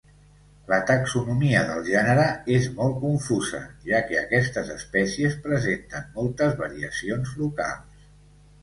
La taxonomia del gènere és molt confusa, ja que aquestes espècies presenten moltes variacions locals.